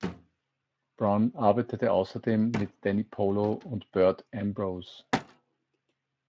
Brun arbeitete außerdem mit Danny Polo und Bert Ambrose.